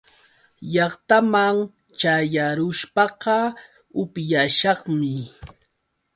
Llaqtaman ćhayarushpaqa upyashaqmi.